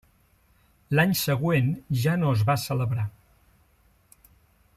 L'any següent ja no es va celebrar.